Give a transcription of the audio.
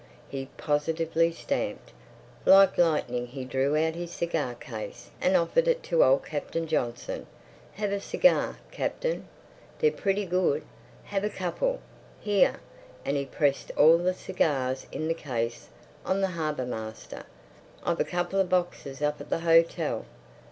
He positively stamped. Like lightning he drew out his cigar case and offered it to old Captain Johnson. "Have a cigar, Captain! They're pretty good. Have a couple! Here"—and he pressed all the cigars in the case on the harbour master—"I've a couple of boxes up at the hotel."